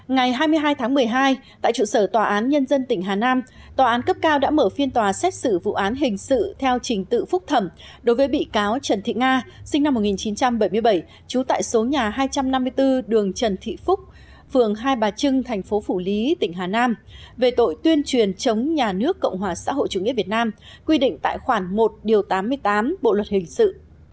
ngày hai mươi hai tháng một mươi hai tại trụ sở tòa án nhân dân tỉnh hà nam tòa án cấp cao đã mở phiên tòa xét xử vụ án hình sự theo trình tự phúc thẩm đối với bị cáo trần thị nga sinh năm một nghìn chín trăm bảy mươi bảy trú tại số nhà hai trăm năm mươi bốn đường trần thị phúc phường hai bà trưng thành phố phủ lý tỉnh hà nam về tội tuyên truyền chống nhà nước cộng hòa xã hội chủ nghĩa việt nam quy định tại khoản một tám mươi tám bộ luật hình sự